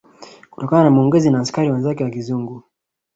Kutokana na maongezi na askari wenzake wa kizungu